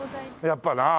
やっぱな。